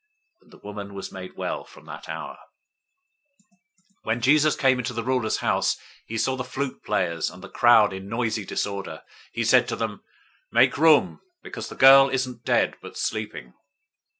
And the woman was made well from that hour. 009:023 When Jesus came into the ruler's house, and saw the flute players, and the crowd in noisy disorder, 009:024 he said to them, "Make room, because the girl isn't dead, but sleeping."